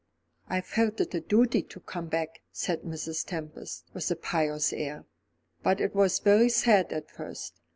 "I felt it a duty to come back," said Mrs. Tempest, with a pious air. "But it was very sad at first.